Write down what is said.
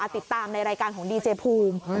ติดตามในรายการของดีเจภูมิ